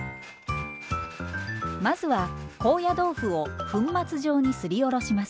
まずは高野豆腐を粉末状にすりおろします。